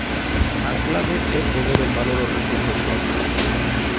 A clave é poñer en valor os recursos propios.